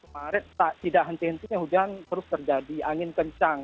maret tidak henti hentinya hujan terus terjadi angin kencang